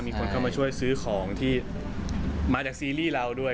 มีคนเข้ามาช่วยซื้อของที่มาจากซีรีส์เราด้วย